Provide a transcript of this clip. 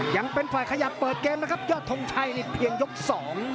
ยังเป็นฝ่ายขยับเปิดเกมนะครับยอดทงชัยนี่เพียงยกสอง